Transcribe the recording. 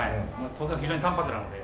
豆腐は非常に淡泊なので。